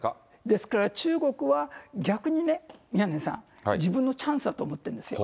ですから、中国は逆にね、宮根さん、自分のチャンスだと思ってるんですよ。